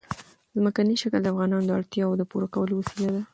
ځمکنی شکل د افغانانو د اړتیاوو د پوره کولو وسیله ده.